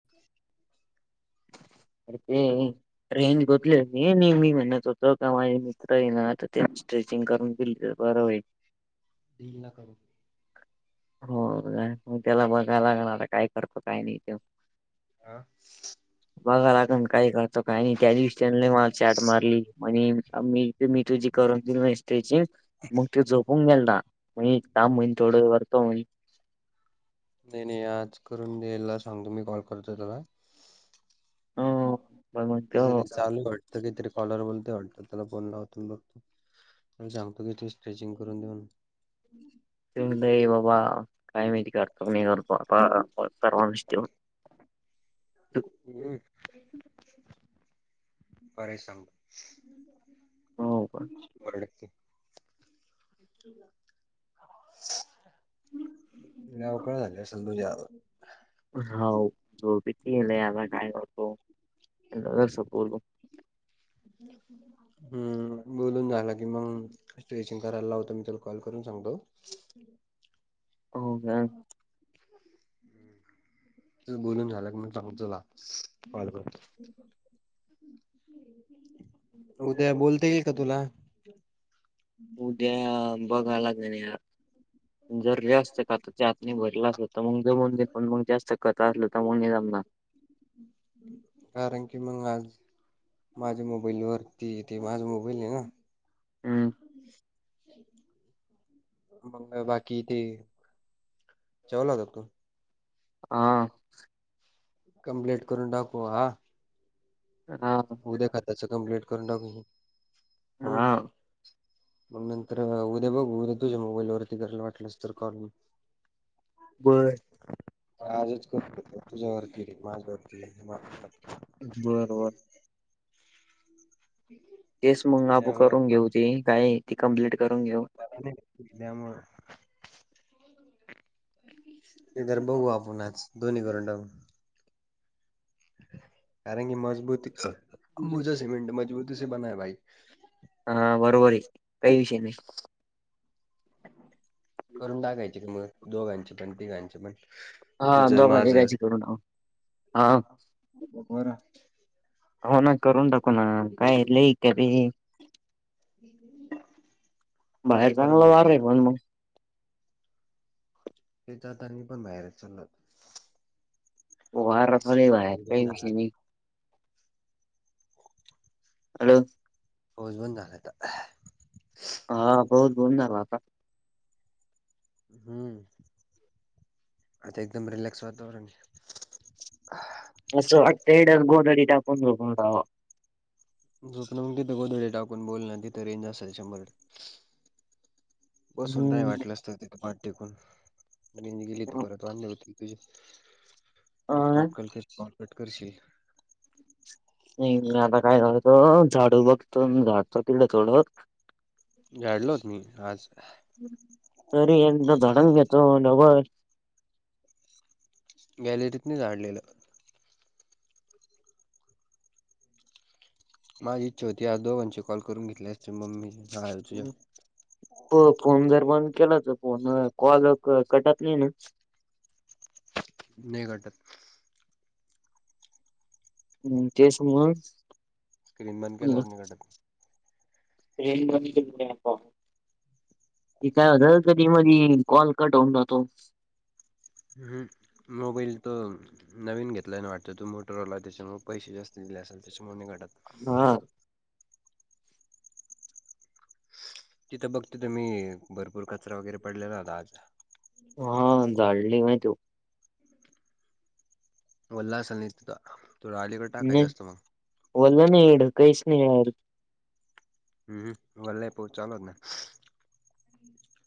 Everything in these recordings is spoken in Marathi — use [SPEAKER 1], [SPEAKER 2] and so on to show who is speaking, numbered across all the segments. [SPEAKER 1] [inaudible]
[SPEAKER 2] [unintelligible] [unintelligible] मी म्हणत होतो का माझे मित्र आहे ना तर ते स्ट्रेचिंग करून [unintelligible] बरं होईल.
[SPEAKER 1] देईल ना करून.
[SPEAKER 2] होय मग त्याला बघाय लागणार आहे काय करतो काय नाही ते.
[SPEAKER 1] आं?
[SPEAKER 2] बघाय लागण काय करतो काय नाही, त्या दिवशी त्यानं मला चॅट मारली [unintelligible] [unintelligible] मी तुझी करून दिली नाही स्टेचिंग मग तो झोपून [unintelligible] काम होईल तेवढं [unintelligible]
[SPEAKER 1] नाही नाही आज करून द्यायला सांगतो मी कॉल करतो त्याला.
[SPEAKER 2] [inaudible]
[SPEAKER 1] त्याचं
[SPEAKER 2] म्हणतो
[SPEAKER 1] ते चालू वाटतं [unintelligible] त्याला फोन लावतो आणि बघतो. आणि सांगतो की तुझी स्ट्रेचिंग करून दे म्हणून.
[SPEAKER 2] [unintelligible] ये बाबा काय माहिती करतो की नाही करतो आता [unintelligible]
[SPEAKER 1] [inaudible]
[SPEAKER 2] हो का
[SPEAKER 1] [inaudible] लवकर झाली असेल तुझी [unintelligible]
[SPEAKER 2] [unintelligible]
[SPEAKER 1] [inaudible] हम्म बोलून झालं की मग स्ट्रेचिंग करायला लावतो मी त्याला कॉल करून सांगतो.
[SPEAKER 2] हो का?
[SPEAKER 1] तुझं बोलून झालं की मी सांगतो [unintelligible] कॉल करतो. उद्या बोलता येईल का तुला?
[SPEAKER 2] उद्या बघायला [unintelligible] जर जास्त [unintelligible] तर आतने भरलं असल तर मग [unintelligible] पण मग जास्त [unintelligible]
[SPEAKER 1] कारण की मग आज माझ्या मोबाईलवरती ते माझं मोबाईल
[SPEAKER 2] हम्म
[SPEAKER 1] [unintelligible] मंग बाकी ते जेवला का तू?
[SPEAKER 2] हां.
[SPEAKER 1] कंप्लेट करून टाकू आ.
[SPEAKER 2] हा
[SPEAKER 1] उद्या [unintelligible] त्याचं कंप्लेंट करून टाकू. हम्
[SPEAKER 2] हां.
[SPEAKER 1] मग नंतर उद्या बघू उद्या तुझ्या मोबाईलवरती करायला वाटलंस तर कॉल मग.
[SPEAKER 2] बर
[SPEAKER 1] आजच [unintelligible] तुझ्यावरती माझ्यावरती [unintelligible]
[SPEAKER 2] बर बर.
[SPEAKER 1] [inaudible]
[SPEAKER 2] तेच मग [unintelligible]
[SPEAKER 1] त्यामुळे
[SPEAKER 2] करून घेऊ ते काय ती कंप्लीट करून घेऊ.
[SPEAKER 1] [unintelligible] [unintelligible] बघू आपण आज दोन्ही करून टाकू. कारण की मजबूती अंबुजा सीमेंट मजबूती से बना हैं भाई.
[SPEAKER 2] हां बरोबर आहे काही विषय नाही.
[SPEAKER 1] [inaudible] करून टाकायचे की मग, दोघांचे पण तिघांचे पण.
[SPEAKER 2] हा
[SPEAKER 1] तुझं
[SPEAKER 2] दोघा
[SPEAKER 1] माझं
[SPEAKER 2] तिघांचे करुणा हा.
[SPEAKER 1] [unintelligible]
[SPEAKER 2] हो ना करून टाकू ना, काय लै [unintelligible]
[SPEAKER 1] [inaudible]
[SPEAKER 2] बाहेर
[SPEAKER 1] तर परत
[SPEAKER 2] चांगल वार
[SPEAKER 1] झोपून
[SPEAKER 2] आहे पण मगं.
[SPEAKER 1] तेच आता मी पण बाहेर चाल.
[SPEAKER 2] [unintelligible]
[SPEAKER 1] बंद
[SPEAKER 2] काय
[SPEAKER 1] झाला
[SPEAKER 2] विषय
[SPEAKER 1] आता
[SPEAKER 2] नाही.
[SPEAKER 1] [inaudible]
[SPEAKER 2] हॅलो.
[SPEAKER 1] पाऊस बंद झाला का.
[SPEAKER 2] हा पाऊस बंद झाला आता.
[SPEAKER 1] हम्म आता एकदम रिलेॅक्स वातावरण ये.
[SPEAKER 2] असं वाटतंय, ढग गोधडी टाकून झोपून जावं.
[SPEAKER 1] झोप मग तिथं गोधडे टाकून बोल ना, तिथं रेंज असल शंभर टक्के. बसून राय
[SPEAKER 2] हम्म
[SPEAKER 1] वाटलंस तर तिथं, पाठ टेकून रेंज गेली तर परत वांदे होतील. तुझ
[SPEAKER 2] अ
[SPEAKER 1] परत कॉट कट, कर कॉट कट करशील.
[SPEAKER 2] नाही आता काय तर [unintelligible]
[SPEAKER 1] झाडलं होतं मी आज.
[SPEAKER 2] अरे एकदा झाडून घेतो डबल.
[SPEAKER 1] गॅलरीत नाही झाडलेलं. माझी इच्छा होती. आज दोघांनची कॉल करून घेतली असती मम्मी [unintelligible] तुझ्या.
[SPEAKER 2] प फोन जर बंद केला तर फोन कॉल कटतली नाही ना.
[SPEAKER 1] नाही [unintelligible]
[SPEAKER 2] हम तेच मगं.
[SPEAKER 1] स्क्रीन बंद केल्यावर नाही गटत.
[SPEAKER 2] ते काय होतं, कधी मधी. कॉल कट होऊन जातो.
[SPEAKER 1] हम मोबाईल तो. नवीन घेतला नाही वाटतं. तू मोटरवालय त्यांच्यामुळे पैसे जास्त दिले असेल, त्यांच्यामुळे नाही घाटत.
[SPEAKER 2] हां.
[SPEAKER 1] तिथं बघतो तर, मी भरपूर कचरा वगैरे पडलेला होता आज.
[SPEAKER 2] हा झाडली नाही तो.
[SPEAKER 1] वल्ल‌ आसंल तो आलीकडे.
[SPEAKER 2] नाही [unintelligible]
[SPEAKER 1] हम्म भले पोट चाललं ना.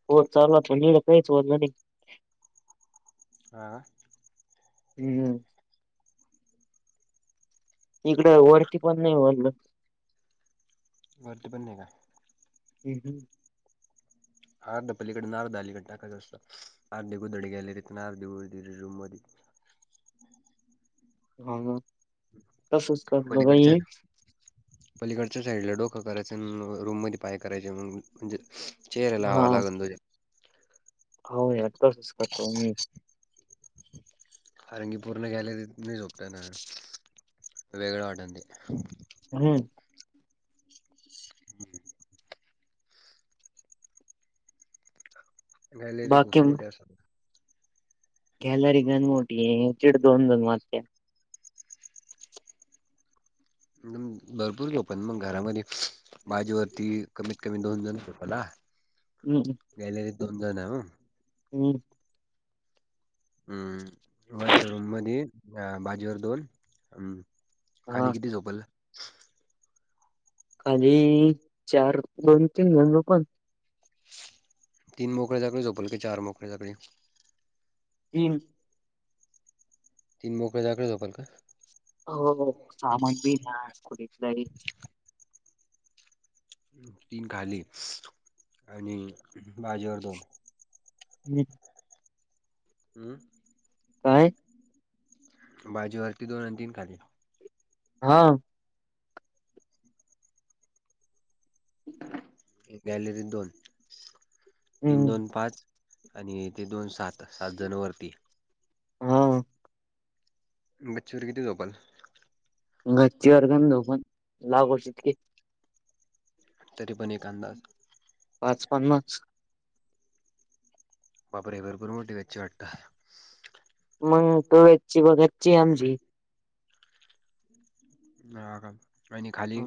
[SPEAKER 2] [unintelligible]
[SPEAKER 1] हा.
[SPEAKER 2] हम्. इकडं वरती पण नाही म्हणलं.
[SPEAKER 1] वरती पण नाही काय.
[SPEAKER 2] अम हम.
[SPEAKER 1] [unintelligible]
[SPEAKER 2] हा ना. तसच करतो बाई
[SPEAKER 1] पलीकडच्या. पलीकडच्या साईडला डोकं करायचं अन्, रूम मध्ये पाय करायचे म्हणजे. चेहऱ्याल
[SPEAKER 2] हा
[SPEAKER 1] लावाव लागलं तुझ्या.
[SPEAKER 2] हो यातच करतो मी.
[SPEAKER 1] फरंगीपूर्ण [unintelligible] गेलेरी नाही झोपत वेगळं वाटण ते
[SPEAKER 2] हम्
[SPEAKER 1] गॅलेरी
[SPEAKER 2] बाकी
[SPEAKER 1] खूप मोठ्या असतात.
[SPEAKER 2] कॅलरी गण मोठी आहे दीड, दोन, दोन वाजत्यात.
[SPEAKER 1] भरपूर लोकं आहेत मग घरामध्ये. भाजी होती. कमीत कमी दोन, दोन, रुपयाला.
[SPEAKER 2] हम्म.
[SPEAKER 1] गॅलरीत दोन जण हं.
[SPEAKER 2] हम्
[SPEAKER 1] हम्म वरच्या रूम मधि अ बाजेवर दोन हम्.
[SPEAKER 2] हा
[SPEAKER 1] खाली किती? झोपल
[SPEAKER 2] खाली चार, दोन, तीन, जण झोपणं.
[SPEAKER 1] तीन मोकळे झाकळे झोपलं की चार मोकळे झोकळे.
[SPEAKER 2] तीन.
[SPEAKER 1] तीन मोकळे चाकळे झोपण का?
[SPEAKER 2] हो सामान बीना कुठं तरी-
[SPEAKER 1] तीन खाली आणि बाजीवर दोन.
[SPEAKER 2] मी.
[SPEAKER 1] हम.
[SPEAKER 2] काय?
[SPEAKER 1] बाजीवरती दोन आणि तीन खाली.
[SPEAKER 2] हा.
[SPEAKER 1] गॅलेरी दोन, तीन,
[SPEAKER 2] हम्म
[SPEAKER 1] दोन, पाच. आणि ते दोन, सात, सात जण वरती.
[SPEAKER 2] हा.
[SPEAKER 1] गच्छीवर किती? झोपाल
[SPEAKER 2] गच्ची वर गंज झोपून लागू शतके.
[SPEAKER 1] तरीपण एक अंदाज.
[SPEAKER 2] पाच, पन्नास.
[SPEAKER 1] बापरे! भरपूर मोठी गच्ची आहे वाटतं.
[SPEAKER 2] मग तूयाशी गच्ची आमची.
[SPEAKER 1] ह का आणि खाली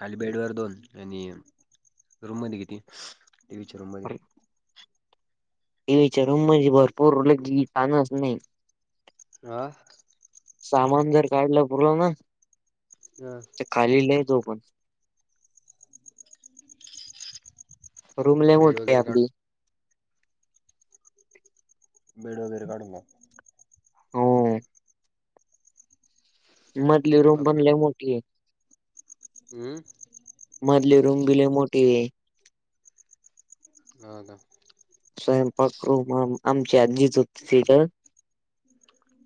[SPEAKER 1] खाली- बेड वर दोन आणि रूम मध्ये किती? टीव्हीच्या रूम मध्ये.
[SPEAKER 2] टीव्हीच्या रूम मध्ये भरपूर ताणच नाही.
[SPEAKER 1] हा.
[SPEAKER 2] सामान जर काढलं पुर्ण ना.
[SPEAKER 1] तर [unintelligible]
[SPEAKER 2] खाली लय झोपण. रूम लय
[SPEAKER 1] बेड
[SPEAKER 2] मोठी आहे
[SPEAKER 1] वगैरे काढून
[SPEAKER 2] आपली.
[SPEAKER 1] बेड वगैरे काढू मग.
[SPEAKER 2] हो. मधली रूम पण
[SPEAKER 1] बापरे
[SPEAKER 2] लय मोठी आहे.
[SPEAKER 1] हम्म
[SPEAKER 2] मधली रूम बि लय मोठी आहे.
[SPEAKER 1] [inaudible]
[SPEAKER 2] स्वयंपाक रूम आमची आजी झोपती तिथं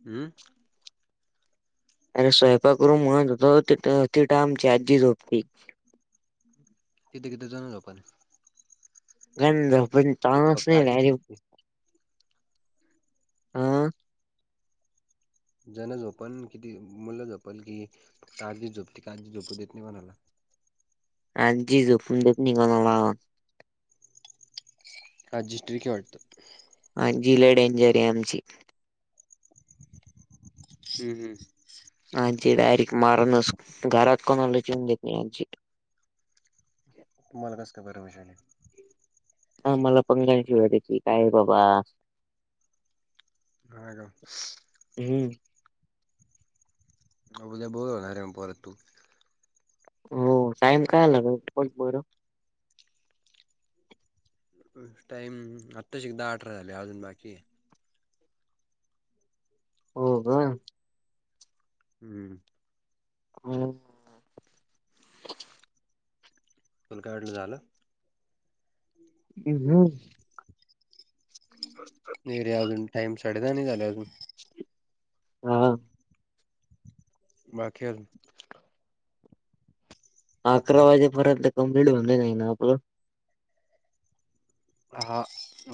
[SPEAKER 1] हम्म
[SPEAKER 2] अरे स्वयंपाक रूम म्हणत होतो तिथं आमची आजी झोपती.
[SPEAKER 1] तिथं किती जण झोपता
[SPEAKER 2] गंज झोपा
[SPEAKER 1] तिथे
[SPEAKER 2] ताणच
[SPEAKER 1] फक्त
[SPEAKER 2] नाही
[SPEAKER 1] आजीच
[SPEAKER 2] रे
[SPEAKER 1] झोपते.
[SPEAKER 2] हा
[SPEAKER 1] जाण झोपल किती मुललं झोपल की काळजी झोपते झोपू नाही कोणाला
[SPEAKER 2] आणखी झोपू देत नाही कोणाला.
[SPEAKER 1] आजी स्टिक हाय वाटतं
[SPEAKER 2] आजी लय डेंजर आहे आमची.
[SPEAKER 1] हम्म हम्म.
[SPEAKER 2] आजी डायरेक्ट मारण च घरात कोणालाच येऊ देत नाही आजी.
[SPEAKER 1] तुम्हाला कसं काय बरं वाटायलय
[SPEAKER 2] हा मला पण काळजी वाटायची काय बाबा.
[SPEAKER 1] हा का
[SPEAKER 2] हम्म.
[SPEAKER 1] अ उद्या बोर होणार आहे म परत तू.
[SPEAKER 2] हो टाइम काय झाला बग बरं.
[SPEAKER 1] टाइम आता शी दहा अठरा अजून बाकी आहे.
[SPEAKER 2] हो का.
[SPEAKER 1] हम्म.
[SPEAKER 2] [unintelligible]
[SPEAKER 1] मग काय अडलं झालं.
[SPEAKER 2] हम्म हम्म.
[SPEAKER 1] नाही रे अजून टाइम साडे दहा नाही झाले अजून.
[SPEAKER 2] हा.
[SPEAKER 1] बाकी अजून.
[SPEAKER 2] अकरा वाजेपर्यंत कंप्लीट बनले नाही ना आपलं.
[SPEAKER 1] हा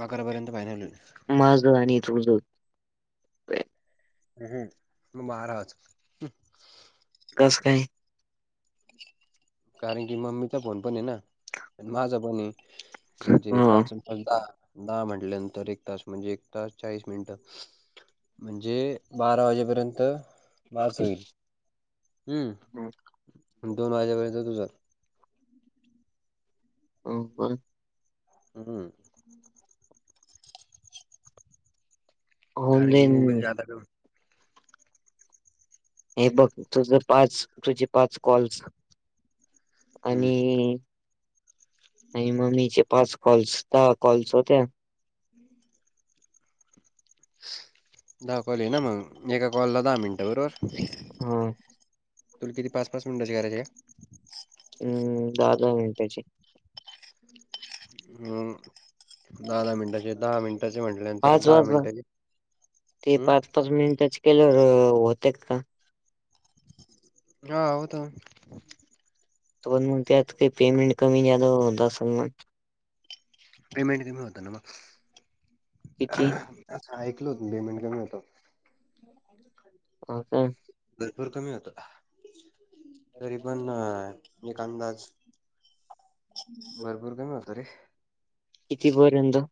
[SPEAKER 1] अकरापर्यंत फायनल होईल.
[SPEAKER 2] माझं आणि तुझं.
[SPEAKER 1] हम्म बारा वाज
[SPEAKER 2] कस काय.
[SPEAKER 1] कारण की मम्मीचा फोन पण आहे ना आणि माझं पण म्हणजे
[SPEAKER 2] हा
[SPEAKER 1] पाच अण पाच दहा दहा म्हटल्यानंतर एक तास म्हणजे एक तास चाळीस मिनिटं. म्हणजे बारा वाजेपर्यंत माझं होइल. हम्म दोन वाजेपर्यंत तुझं.
[SPEAKER 2] [inaudible]
[SPEAKER 1] हम्म.
[SPEAKER 2] होऊन
[SPEAKER 1] कारण की
[SPEAKER 2] जाईन
[SPEAKER 1] मोबाईल जादा घेऊन.
[SPEAKER 2] हे बघ तुझ पाच तुझे पाच कॉल्स
[SPEAKER 1] हम्म
[SPEAKER 2] आणि आणि मम्मीचे पाच कॉल्स दहा कॉल्स होत्यात.
[SPEAKER 1] [unintelligible] दहा कॉल ये ना मग एका कॉल ला दहा मिनटं बरोबर.
[SPEAKER 2] हम्म.
[SPEAKER 1] तुला किती पाच पाच मिनटाचे करायचे आहे?
[SPEAKER 2] हम्म दहा दहा मिनिटाची.
[SPEAKER 1] हम्म. दहा दहा मिनिटाचे दहा मिनिटाचे म्हटल्यानंतर
[SPEAKER 2] पाच
[SPEAKER 1] दहा
[SPEAKER 2] वाजता
[SPEAKER 1] मिनटाचे.
[SPEAKER 2] ते
[SPEAKER 1] हं?
[SPEAKER 2] पाच पाच मिनिटाची केल्यावर होत्यात का?
[SPEAKER 1] हा होतात.
[SPEAKER 2] मग त्यात पेमेंट काय कमी जादा होत असेल मग.
[SPEAKER 1] पेमेंट कमी होतं ना मग.
[SPEAKER 2] किती?
[SPEAKER 1] असं ऐकलो होतो मी पेमेंट कमी होतं.
[SPEAKER 2] हो काय?
[SPEAKER 1] भरपूर कमी होतं. तरी पण एक अंदाज भरपूर कमी होत रे.
[SPEAKER 2] कितीपर्यंत?